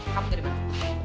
kamu dari mana